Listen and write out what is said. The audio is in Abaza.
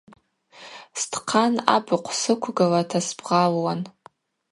Стхъан абыхъв сыквгылата сбгъалуан.